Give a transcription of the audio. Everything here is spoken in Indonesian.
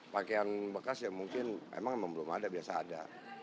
pakaian bekas ya mungkin memang belum ada biasa ada